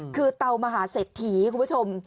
คือเตามหาเศรษฐีคุณผู้ชม